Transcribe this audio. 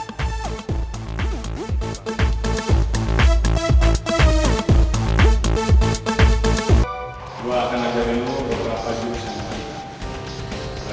gue akan ajarin lo beberapa jurus yang lebih mematikan